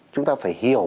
chúng ta phải hiểu